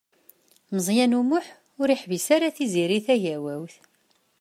Meẓyan U Muḥ ur yeḥbis ara Tiziri Tagawawt.